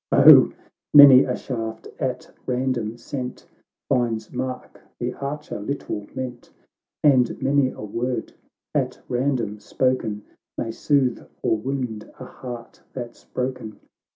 —— O ! many a shaft, at random sent, Finds mark the archer little meant ! And many a word, at random spoken, May soothe or wound a heart that's broken